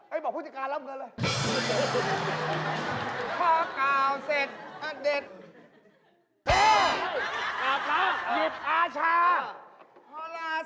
เอ้ยไบ้โฟ่งศิลป์ไม่เอาไม่เอา